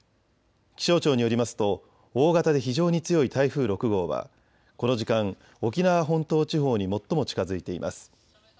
気象庁によりますと大型で非常に強い台風６号はこの時間、沖縄本島地方に最も近づいています。